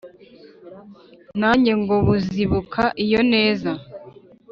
nanjye ngo buzibuka iyo neza